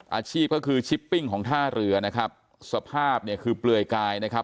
อาชีพก็คือชิปปิ้งของท่าเรือนะครับสภาพเนี่ยคือเปลือยกายนะครับ